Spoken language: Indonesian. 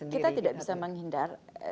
kita tidak bisa menghindar